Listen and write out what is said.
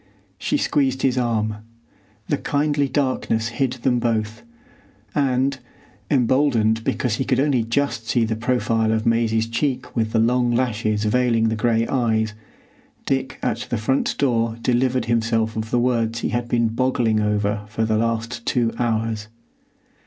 She squeezed his arm. The kindly darkness hid them both, and, emboldened because he could only just see the profile of Maisie's cheek with the long lashes veiling the gray eyes, Dick at the front door delivered himself of the words he had been boggling over for the last two hours.